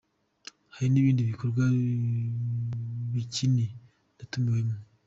hari n’ibindi bikorwa bikini natumiwemo.